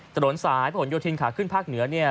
ตะโรนสายผลโยธินขาขึ้นภาคเหนือเนี่ย